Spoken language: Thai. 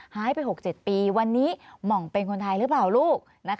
หายไป๖๗ปีวันนี้หม่องเป็นคนไทยหรือเปล่าลูก